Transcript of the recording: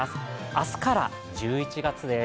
明日から１１月です。